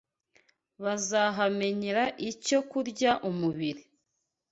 Bazahamenyera icyo kurya umubiri